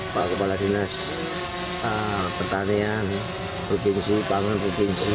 pak kepala dinas pertanian provinsi pangan provinsi